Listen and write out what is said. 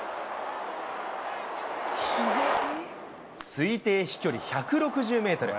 推定飛距離１６０メートル。